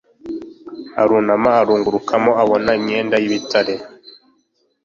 Arunama arungurukamo abona imyenda y ibitare